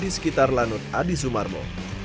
di sekitar lanut adi sumarmo